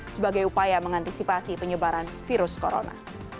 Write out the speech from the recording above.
sebagai upaya mengantisipasi penyebaran virus corona